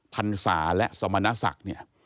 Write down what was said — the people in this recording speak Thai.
พรรษาและสมณสัก